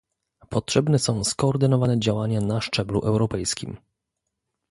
Potrzebne są skoordynowane działania na szczeblu europejskim